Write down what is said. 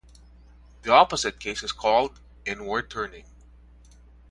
The opposite case is called inward turning.